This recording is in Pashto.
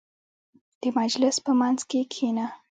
• د مجلس په منځ کې کښېنه.